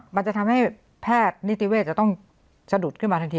มันจะทำให้แพทย์นิติเวศจะต้องสะดุดขึ้นมาทันที